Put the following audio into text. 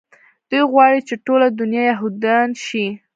دوى غواړي چې ټوله دونيا يهودان شي.